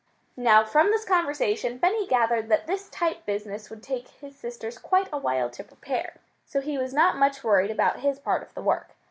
Now from this conversation Benny gathered that this type business would take his sisters quite a while to prepare. So he was not much worried about his part of the work.